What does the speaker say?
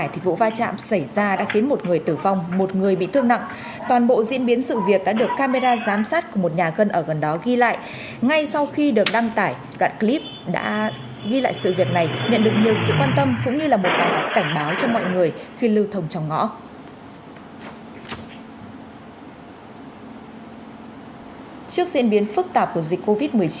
trước diễn biến phức tạp của dịch covid một mươi chín